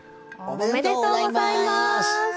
おめでとうございます。